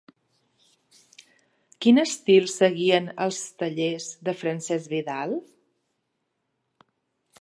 Quin estil seguien els tallers de Francesc Vidal?